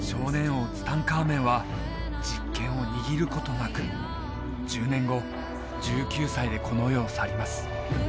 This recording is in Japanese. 王ツタンカーメンは実権を握ることなく１０年後１９歳でこの世を去ります